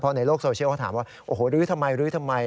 ในโลกโซเชียลเขาถามว่าโอ้โหลื้อทำไมลื้อทำไม